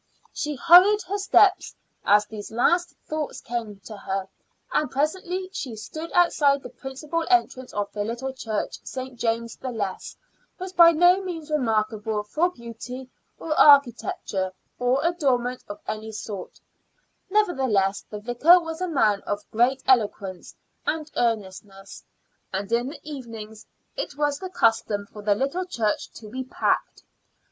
She hurried her steps as these last thoughts came to her, and presently she stood outside the principal entrance of the little church. St. James the Less was by no means remarkable for beauty of architecture or adornment of any sort; nevertheless the vicar was a man of great eloquence and earnestness, and in the evenings it was the custom for the little church to be packed.